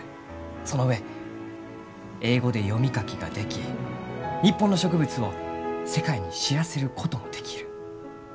その上英語で読み書きができ日本の植物を世界に知らせることもできる。